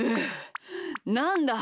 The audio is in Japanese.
なんだ？